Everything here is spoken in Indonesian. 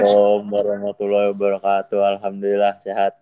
assalamu alaikum warahmatullahi wabarakatuh alhamdulillah sehat